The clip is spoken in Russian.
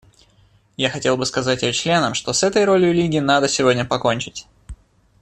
Я хотел бы сказать ее членам, что с этой ролью Лиги надо сегодня покончить.